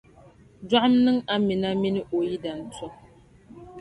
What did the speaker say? Dɔɣim niŋ Amina mini o yidana tom.